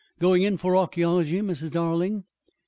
"Going in for archæology, Mrs. Darling?"